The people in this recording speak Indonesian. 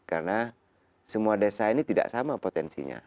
karena semua desa ini tidak sama potensinya